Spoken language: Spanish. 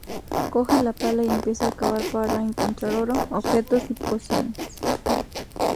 Coge la pala y empieza a cavar para encontrar oro, objetos y pociones.